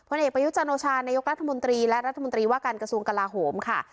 เอกประยุจันโอชานายกรัฐมนตรีและรัฐมนตรีว่าการกระทรวงกลาโหมค่ะ